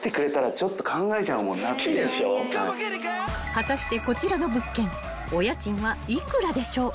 ［果たしてこちらの物件お家賃は幾らでしょう？］